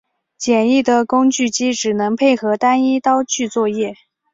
简易的工具机只能配合单一刀具作业。